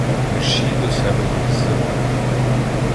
Мерщій до себе їх ззиває